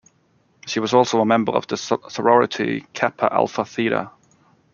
She also was a member of the sorority Kappa Alpha Theta.